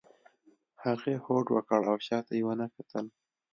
هغې هوډ وکړ او شا ته یې ونه کتل.